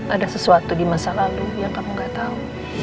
ada sesuatu di masa lalu yang kamu gak tahu